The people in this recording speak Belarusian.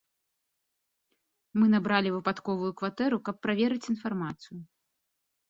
Мы набралі выпадковую кватэру, каб праверыць інфармацыю.